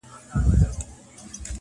اورېدل يې د رعيتو فريادونه،